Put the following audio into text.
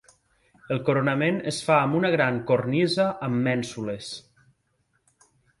El coronament es fa amb una gran cornisa amb mènsules.